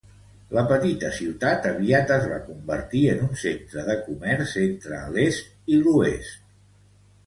La petita ciutat aviat es va convertir en un centre de comerç entre l'est i l'oest.